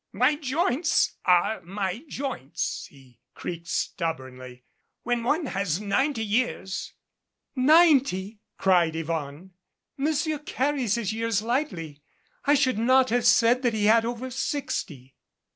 "My joints are my joints," he creaked stubbornly. "When one has ninety years " "Ninety !" cried Yvonne. "Monsieur carries his years lightly. I should not have said that he had over sixty."